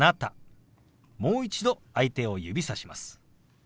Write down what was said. もう一度相手を指さします。